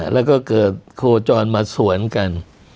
แล้วก็เกิดโคจรมาสวนกัน